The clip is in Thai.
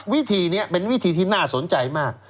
วิธีนี้เป็นวิธีที่น่าสนใจมาก